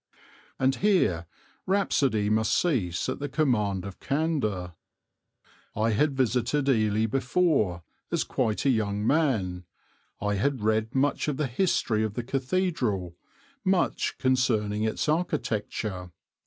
And here rhapsody must cease at the command of candour. I had visited Ely before as quite a young man; I had read much of the history of the cathedral, much concerning its architecture.